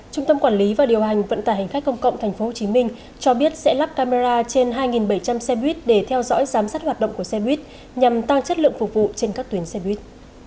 trung tâm quản lý và điều hành vận tải hành khách công cộng tp hcm cho biết sẽ lắp camera trên hai bảy trăm linh xe buýt để theo dõi giám sát hoạt động của xe buýt nhằm tăng chất lượng phục vụ trên các tuyến xe buýt